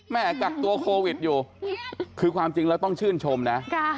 กักตัวโควิดอยู่คือความจริงแล้วต้องชื่นชมนะ